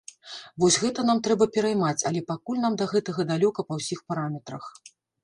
Вось гэта нам трэба пераймаць, але пакуль нам да гэтага далёка па ўсіх параметрах.